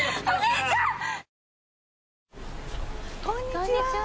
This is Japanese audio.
こんにちは。